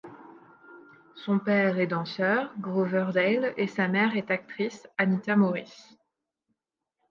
Son père est danseur: Grover Dale et sa mère est actrice: Anita Morris.